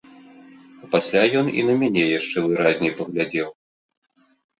А пасля ён і на мяне яшчэ выразней паглядзеў.